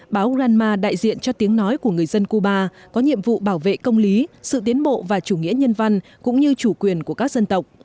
báo granma đại diện cho tiếng nói của người dân cuba có nhiệm vụ bảo vệ công lý sự tiến bộ và chủ nghĩa nhân văn cũng như chủ quyền của các dân tộc